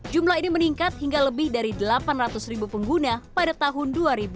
jumlah ini meningkat hingga lebih dari delapan ratus ribu pengguna pada tahun dua ribu dua puluh